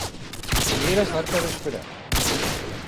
Yera farta d'esperar.